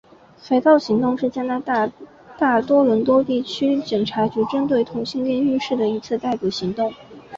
肥皂行动是加拿大大多伦多地区警察局针对同性恋浴室的一次逮捕行动。